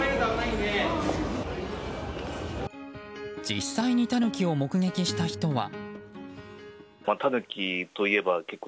実際にタヌキを目撃した人は。